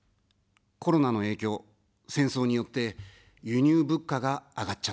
コロナの影響、戦争によって、輸入物価が上がっちゃってます。